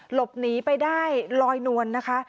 หลบหนีไปได้ลอยนวลนะคะ